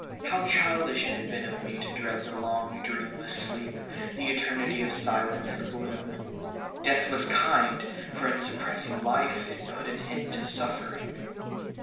How childish it had been of me to dread the long, dreamless sleep, the eternity of silence and gloom. Death was kind, for in suppressing life it put an end to suffering.